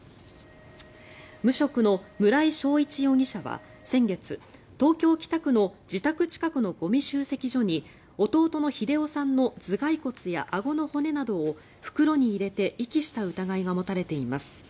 無職の村井正一容疑者は先月東京・北区の自宅近くのゴミ集積所に弟の秀夫さんの頭がい骨やあごの骨などを袋に入れて遺棄した疑いが持たれています。